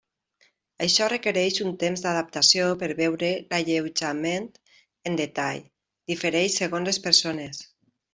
Això requereix un temps d'adaptació per veure l'alleujament en detall, difereix segons les persones.